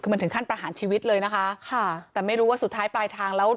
คือมันถึงขั้นประหารชีวิตเลยนะคะค่ะแต่ไม่รู้ว่าสุดท้ายปลายทางแล้ว